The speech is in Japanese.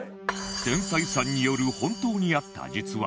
繊細さんによる本当にあった実話